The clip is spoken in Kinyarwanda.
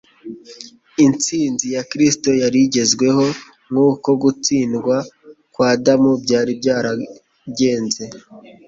Intsinzi ya Kristo yari igezweho nkuko gutsindwa kwa Adamu byari byaragenze.